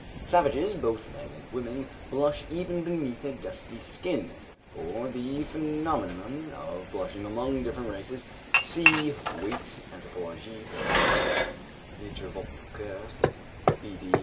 Savages, both men and women, blush even beneath a dusky skin (for the phenomenon of blushing among different races, see Waitz, Anthropologie der Naturvölker, Bd.